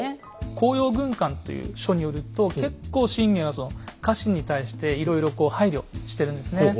「甲陽軍鑑」という書によると結構信玄は家臣に対していろいろこう配慮してるんですね。